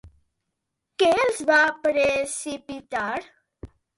Què els va precipitar?